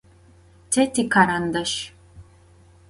Te tikarandaşş.